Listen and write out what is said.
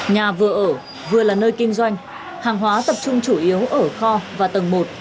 nhà vừa ở vừa là nơi kinh doanh hàng hóa tập trung chủ yếu ở kho và tầng một